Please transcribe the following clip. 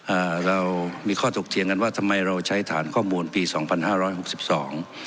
อ่าเรามีข้อถกเถียงกันว่าทำไมเราใช้ฐานข้อมูลปีสองพันห้าร้อยหกสิบสอง